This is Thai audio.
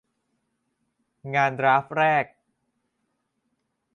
งานดราฟแรก